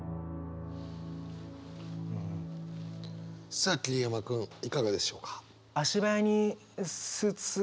さあ桐山君いかがでしょうか？